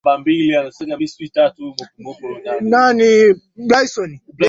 kwa namna gani ama nini nafasi ya bunge katika kuhakikisha